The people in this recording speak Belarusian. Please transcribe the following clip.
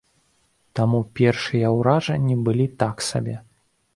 Таму першыя ўражанні былі так сабе.